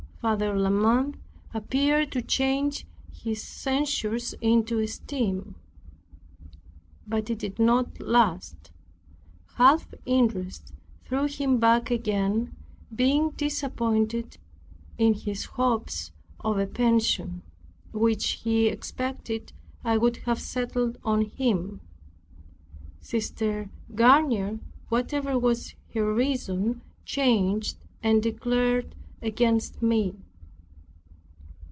Father La Mothe appeared to change his censures into esteem; but it did not last. Self interest threw him back again; being disappointed in his hopes of a pension, which he expected I would have settled on him. Sister Garnier, whatever was her reason, changed and declared against me.